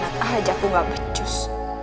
berantakan aja aku gak becus